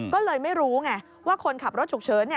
ก็เลยไม่รู้ไงว่าคนขับรถฉุกเฉิน